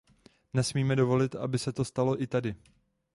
Nesmíme dovolit, aby se to stalo i tady.